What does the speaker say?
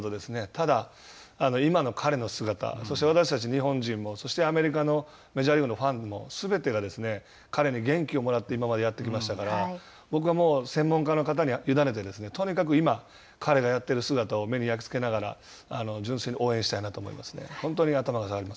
ただ、今の彼の姿そして、私たち日本人もそして、アメリカのメジャーリーグのファンもすべてが彼から元気をもらって今までやってきましたから、僕は、もう専門家の方に委ねてとにかく今、彼がやってる姿を目に焼き付けながら純粋に応援したいなと思いますね。